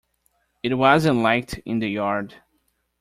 It wasn't liked in the yard.